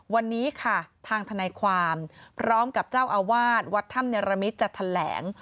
วันนี้ค่ะทางธนาความพร้อมกับเจ้าอาวาสวัดธรรมนิรมิตรจัดแหล่ง